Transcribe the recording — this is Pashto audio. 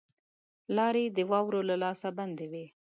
لاري د واورو له لاسه بندي وې.